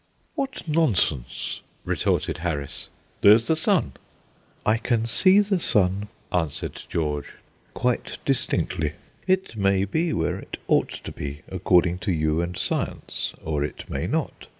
"What nonsense!" retorted Harris; "there's the sun." "I can see the sun," answered George, "quite distinctly. It may be where it ought to be, according to you and Science, or it may not.